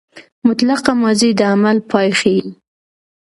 مطلقه ماضي د عمل پای ښيي.